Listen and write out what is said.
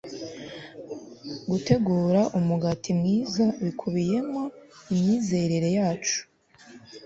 Gutegura Umugati Mwiza Bikubiyemo Imyizerere Yacu